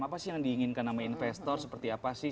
apa sih yang diinginkan sama investor seperti apa sih